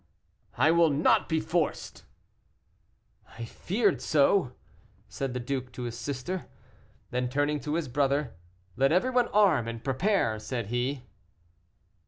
"I will not be forced." "I feared so," said the duke to his sister. Then, turning to his brother, "Let everyone arm and prepare," said he.